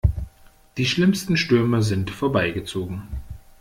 Die schlimmsten Stürme sind vorbei gezogen.